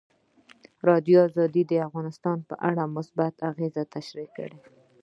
ازادي راډیو د اقتصاد په اړه مثبت اغېزې تشریح کړي.